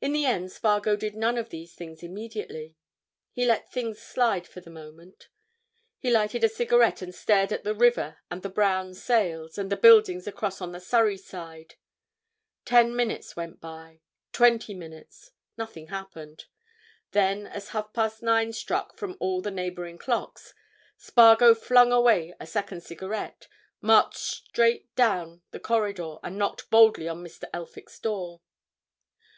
In the end Spargo did none of these things immediately. He let things slide for the moment. He lighted a cigarette and stared at the river and the brown sails, and the buildings across on the Surrey side. Ten minutes went by—twenty minutes—nothing happened. Then, as half past nine struck from all the neighbouring clocks, Spargo flung away a second cigarette, marched straight down the corridor and knocked boldly at Mr. Elphick's door.